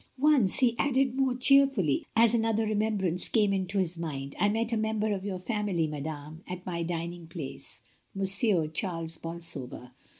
Once," he added more cheerfully, as another remembrance came into his mind, "I met a member of your family, madame, at my dining place, Monsieur Charles Bolsover.